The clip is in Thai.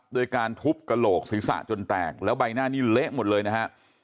ด้วยการทุบกระโหลกศีรษะจนแตกแล้วใบหน้านี้เละหมดเลยนะฮะ